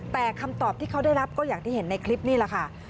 แต่คำตอบที่เขาได้รับก็อย่างที่เห็นในคลิปนี่แหละค่ะ